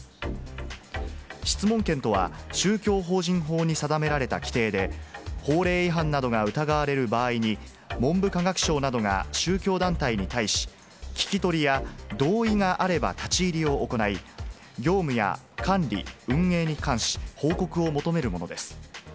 質問権とは、宗教法人法に定められた規定で、法令違反などが疑われる場合に、文部科学省などが宗教団体に対し、聞き取りや同意があれば立ち入りを行い、業務や管理運営に関し、報告を求めるものです。